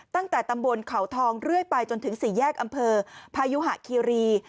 ตั้งแต่ตำบลเขาทองเรื่อยไปจนถึงสี่แยกอำเภอพายุหะคีรี